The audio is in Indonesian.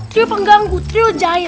trio pengganggu trio jahil